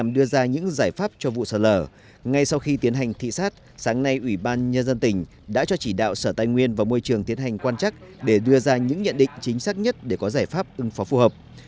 lãnh đạo ủy ban nhân dân tỉnh đã cho chỉ đạo sở tài nguyên và môi trường tiến hành quan chắc để đưa ra những nhận định chính xác nhất để có giải pháp ứng phó phù hợp